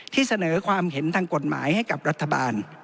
ที่เสนอความเห็นทางกฎหมายให้กับรัฐบาล